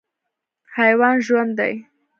حیوان ژوند دی.